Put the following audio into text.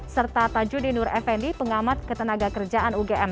serta tajudin nur fnd pengamat ketenaga kerjaan ugm